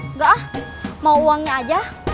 enggak ah mau uangnya aja